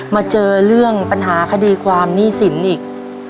มาเจอเรื่องปัญหาคดีความหนี้สินอีก